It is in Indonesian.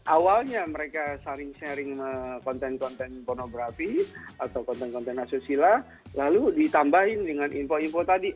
awalnya mereka sharing sharing konten konten pornografi atau konten konten asusila lalu ditambahin dengan info info tadi